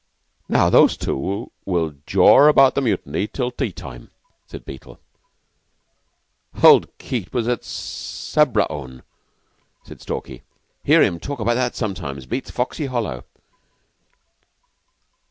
"Now those two'll jaw about the Mutiny till tea time," said Beetle. "Old Keyte was at Sobraon," said Stalky. "Hear him talk about that sometimes! Beats Foxy hollow."